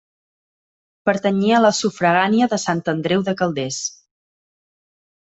Pertanyia a la sufragània de Sant Andreu de Calders.